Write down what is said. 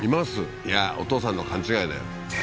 いやお父さんの勘違いだよ